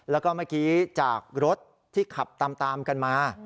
แล้วก็เมื่อกี้จากรถที่ขับตามกันมา